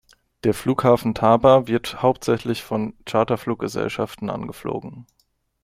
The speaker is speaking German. Der Flughafen Taba wird hauptsächlich von Charterfluggesellschaften angeflogen.